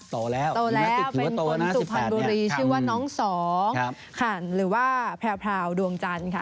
โตแล้วเป็นคนสุพันบุรีชื่อน้องสองคันหรือว่าแพร่พราวดวงจันทร์